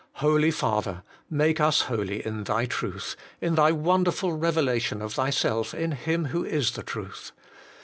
Holy Father ! make us holy in Thy truth, in Thy wonderful revelation of Thyself in Him who is the truth.